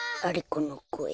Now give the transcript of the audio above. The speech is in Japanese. このこえ。